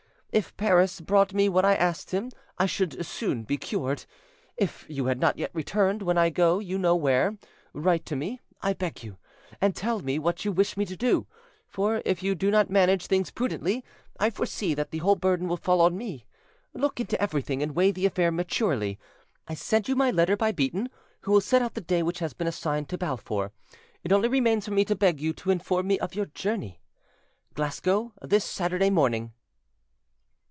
If Paris brought me what I asked him, I should be soon cured. If you have not yet returned when I go you know where, write to me, I beg you, and tell me what you wish me to do; for if you do not manage things prudently, I foresee that the whole burden will fall on me: look into everything and weigh the affair maturely. I send you my letter by Beaton, who will set out the day which has been assigned to Balfour. It only remains for me to beg you to inform me of your journey. "Glasgow, this Saturday morning."